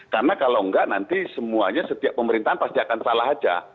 karena kalau enggak nanti semuanya setiap pemerintahan pasti akan salah saja